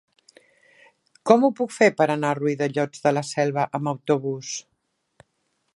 Com ho puc fer per anar a Riudellots de la Selva amb autobús?